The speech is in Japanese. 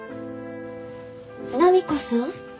波子さん。